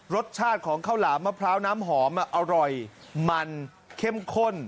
รสชาติของข้าวหลามมะพร้าวน้ำหอมอร่อยมันเข้มข้น